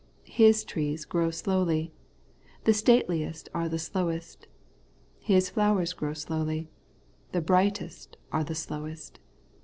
His trees grow slowly; the stateliest are the slowest. His flowers grow slowly; the brightest are the slowest.